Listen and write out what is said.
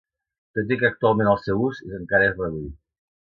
Tot i que actualment el seu ús encara és reduït.